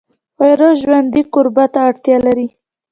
ویروس ژوندي کوربه ته اړتیا لري